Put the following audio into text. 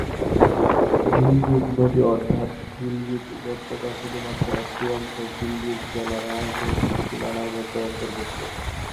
গিলগিত নদী অর্থাৎ গিলগিত উপত্যকার শুধুমাত্র একটি অংশ গিলগিত জেলার রাজনৈতিক সীমানার মধ্যে অন্তর্ভুক্ত।